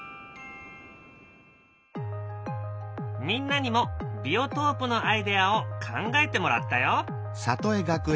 みんなにもビオトープのアイデアを考えてもらったよ。